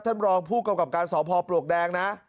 ท่านบรองผู้กรรมการสอบพอปลวกแดงนะ